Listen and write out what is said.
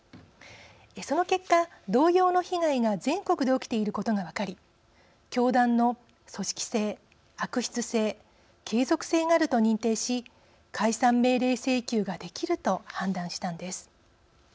その結果同様の被害が全国で起きていることが分かり教団の組織性悪質性継続性があると認定し解散命令請求ができると判断したのです。